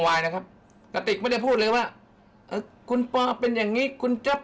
วายนะครับกติกไม่ได้พูดเลยว่าคุณป่าเป็นอย่างนี้คุณจับ